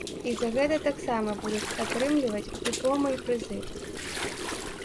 І за гэта таксама будуць атрымліваць дыпломы і прызы.